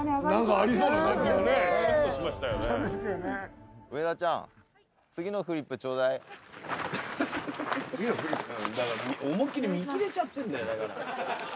思いっ切り見切れちゃってんだよだから。